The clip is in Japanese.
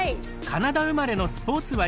カナダ生まれのスポーツ。